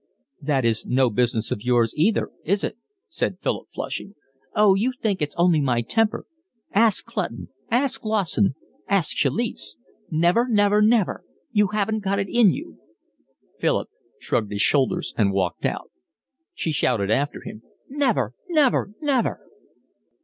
"That is no business of yours either, is it?" said Philip, flushing. "Oh, you think it's only my temper. Ask Clutton, ask Lawson, ask Chalice. Never, never, never. You haven't got it in you." Philip shrugged his shoulders and walked out. She shouted after him. "Never, never, never."